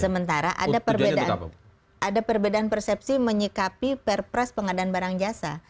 sementara ada perbedaan persepsi menyikapi perpres pengadaan barang jasa